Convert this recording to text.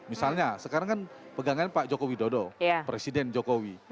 misalnya sekarang kan pegangan pak jokowi dodo presiden jokowi